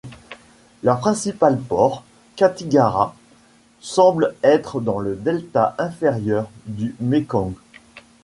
Leur principal port, Cattigara, semble être dans le delta inférieur du Mékong.